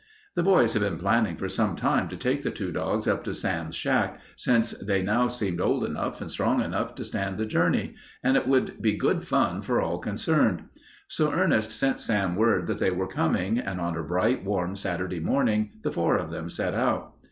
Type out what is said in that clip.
The boys had been planning for some little time to take the two dogs up to Sam's shack, since they now seemed old and strong enough to stand the journey, and it would be good fun for all concerned. So Ernest sent Sam word that they were coming, and on a bright, warm Saturday morning the four of them set out.